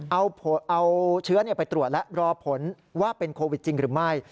เอาเชื้อไปตรวจและรอผลว่าเป็นโควิดจริงหรือไม่